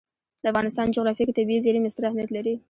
د افغانستان جغرافیه کې طبیعي زیرمې ستر اهمیت لري.